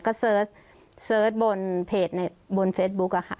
ก็เสิร์ชบนเพจบนเฟซบุ๊กอะค่ะ